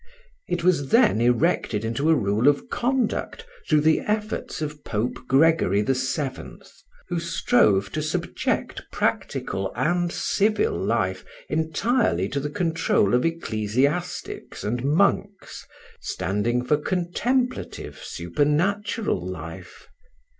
It was then erected into a rule of conduct through the efforts of Pope Gregory VII., who strove to subject practical and civil life entirely to the control of ecclesiastics and monks, standing for contemplative, supernatural life.